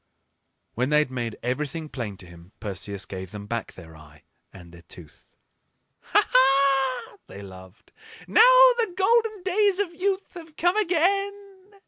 When they had made everything plain to him Perseus gave them back their eye and their tooth. "Ha! ha!" they laughed; "now the golden days of youth have come again!"